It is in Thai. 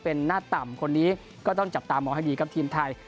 เป็นหน้าต่ำคนนี้ก็ต้องจับตามองให้ดีครับทีมไทย